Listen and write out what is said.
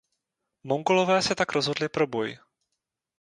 Mongolové se tak rozhodli pro boj.